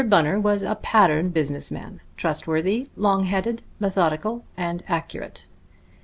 Bunner was a pattern business man, trustworthy, long headed, methodical and accurate.